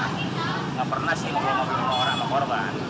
tidak pernah sih menghubungi orang atau korban